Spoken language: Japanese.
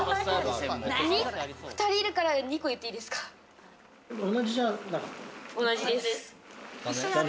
２人いるから、２個言ってい同じです。